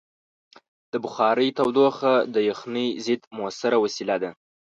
د بخارۍ تودوخه د یخنۍ ضد مؤثره وسیله ده.